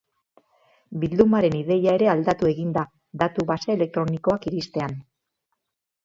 Bildumaren ideia ere aldatu egin da datu-base elektronikoak iristean.